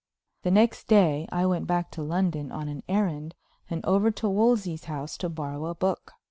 The next day I went back to London on an errand, and over to Wolsey's house to borrow a book.